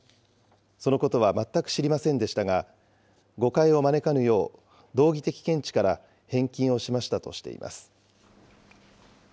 そのことは全く知りませんでしたが、誤解を招かぬよう、道義的見地から返金をしましたとしています。